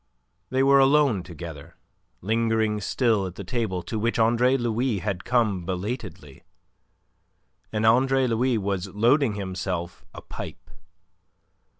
They were alone together, lingering still at the table to which Andre Louis had come belatedly, and Andre Louis was loading himself a pipe.